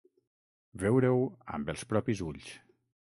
Veure-ho amb els propis ulls.